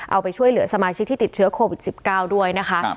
เอาไปช่วยเหลือสมาชิกที่ติดเชื้อโควิด๑๙ด้วยนะคะ